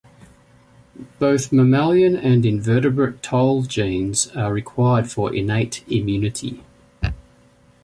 Both mammalian and invertebrate toll genes are required for innate immunity.